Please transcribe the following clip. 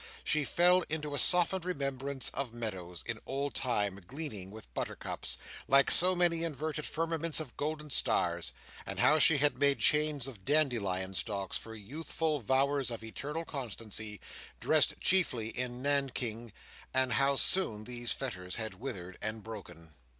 She fell into a softened remembrance of meadows, in old time, gleaming with buttercups, like so many inverted firmaments of golden stars; and how she had made chains of dandelion stalks for youthful vowers of eternal constancy, dressed chiefly in nankeen; and how soon those fetters had withered and broken.